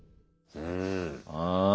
うん。